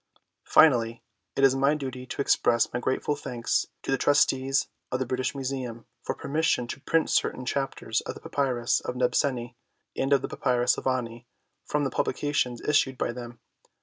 Finally it is my duty to express my grateful thanks to the Trustees of the British Museum for permission to print certain Chapters of the Papyrus of Nebseni and of the Papyrus of Ani from the publications issued by them.